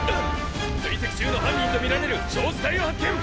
・追跡中の犯人とみられる焼死体を発見！